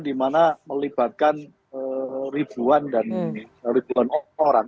di mana melibatkan ribuan orang